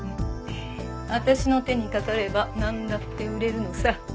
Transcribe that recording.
私の手にかかればなんだって売れるのさ。